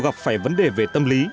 gặp phải vấn đề về tâm lý